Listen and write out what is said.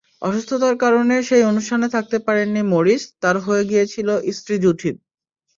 অসুস্থতার কারণে সেই অনুষ্ঠানে থাকতে পারেননি মরিস, তাঁর হয়ে গিয়েছিলেন স্ত্রী জুডিথ।